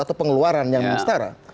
atau pengeluaran yang setara